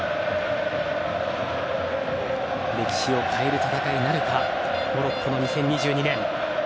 歴史を変える戦いになるかモロッコの２０２２年。